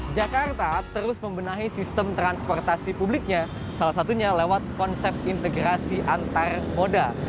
jakarta terus membenahi sistem transportasi publiknya salah satunya lewat konsep integrasi antar moda